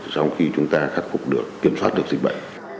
sau khi chúng ta khắc phục được kiểm soát được dịch bệnh